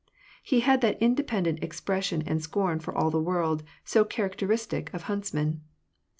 He had that independent expression and scorn for all the world, so charac teristic of huntsmen.